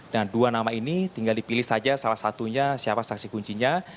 nah dua nama ini tinggal dipilih saja salah satunya siapa saksi kuncinya